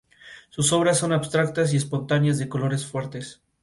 Sus obras son abstractas y espontáneas de colores fuertes.